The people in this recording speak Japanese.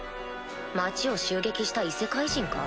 町を襲撃した異世界人か？